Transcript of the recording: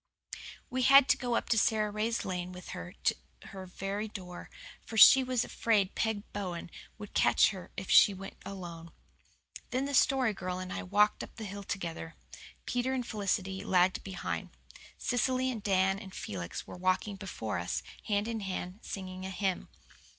We had to go up Sara Ray's lane with her to her very door, for she was afraid Peg Bowen would catch her if she went alone. Then the Story Girl and I walked up the hill together. Peter and Felicity lagged behind. Cecily and Dan and Felix were walking before us, hand in hand, singing a hymn.